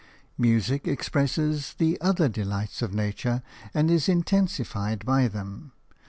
Music expresses the other delights of nature and is intensified by them.